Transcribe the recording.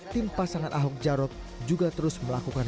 tim pasangan ahok jarot juga terus melakukan